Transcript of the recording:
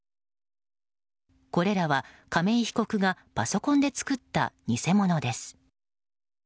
これらは亀井被告がパソコンで作った偽物です。